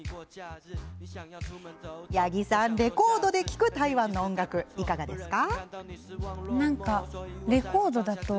八木さん、レコードで聴く台湾の音楽、いかがですか？